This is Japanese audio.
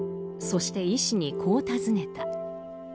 そして医師にこう尋ねた。